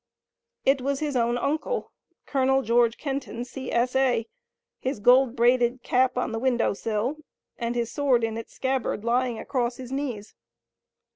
It was his own uncle, Colonel George Kenton, C. S. A., his gold braided cap on the window sill, and his sword in its scabbard lying across his knees.